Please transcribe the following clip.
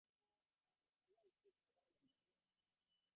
The Agaw speak Agaw languages.